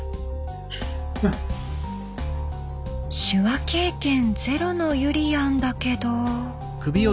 手話経験ゼロのゆりやんだけど。